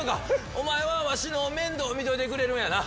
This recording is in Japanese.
お前はわしの面倒見といてくれるんやな。